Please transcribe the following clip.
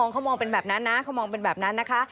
เขามองเป็นแบบนั้นนะเขามองเป็นแบบนั้นนะคะ